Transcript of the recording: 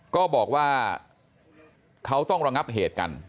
ก็บอกว่าเขาต้องระงับเหตุกัน